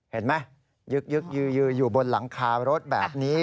เห็นไหมยึกยืออยู่บนหลังคารถแบบนี้